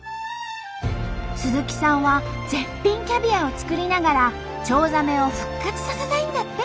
鈴木さんは絶品キャビアを作りながらチョウザメを復活させたいんだって。